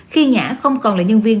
khi nhã không còn là nhân viên